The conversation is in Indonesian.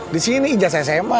disini ijazah sma